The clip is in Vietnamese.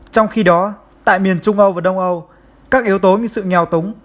trong khi đó tại miền trung âu và đông âu các yếu tố như sự nghèo túng